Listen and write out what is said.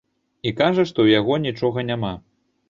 І кажа, што ў яго нічога няма.